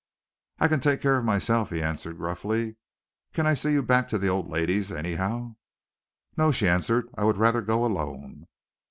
"I can take care of myself," he answered gruffly. "Can I see you back to the old lady's, anyhow?" "No!" she answered. "I would rather go alone."